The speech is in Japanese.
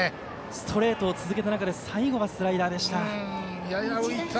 ストレートを続けた中で最後はスライダーでした。